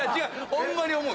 ホンマに思う。